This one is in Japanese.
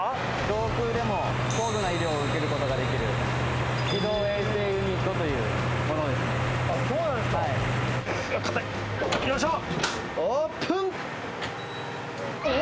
上空でも高度な医療を受けることができる、機動衛生ユニットというものですね。